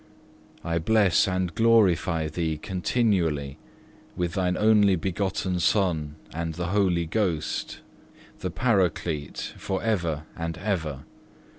I bless and glorify Thee continually, with thine only begotten Son and the Holy Ghost, the Paraclete, for ever and ever.